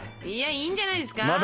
いやいいんじゃないですか？